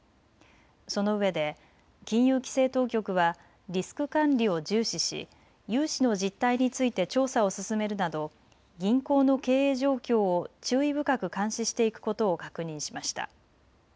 そのうえで金融規制当局はリスク管理を重視し融資の実態について調査を進めるなど銀行の経営状況を注意深く監視していくことを確認しました。